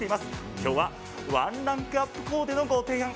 今日はワンランクアップコーデのご提案。